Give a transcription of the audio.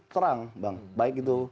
terang bang baik itu